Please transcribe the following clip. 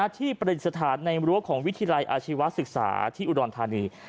ที่ประดิษฐานในรั้วของวิทยาลัยอาชีวศึกษาที่อุดรธานี